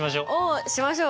おしましょう！